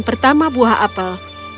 pertama buah apel